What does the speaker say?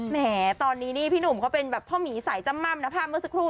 แหมตอนนี้นี่พี่หนุ่มเขาเป็นแบบพ่อหมีสายจ้ำม่ำนะภาพเมื่อสักครู่